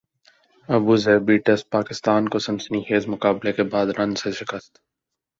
ابو Dhabi test Pakistan کو سنسنی خیزمقابلے کے بعد رنز سے شکست